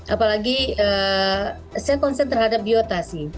apalagi saya konsen terhadap biota sih